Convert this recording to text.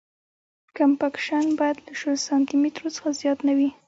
کمپکشن باید له شل سانتي مترو څخه زیات نه وي